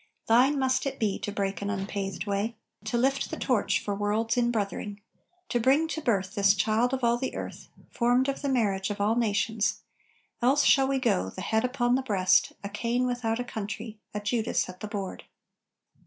Thine must it be to break an unpathed way, To lift the torch for world's in brothering To bring to birth this child of all the earth, Formed of the marriage of all nations; Else shall we go, the head upon the breast, A Cain without a country, a Judas at the board!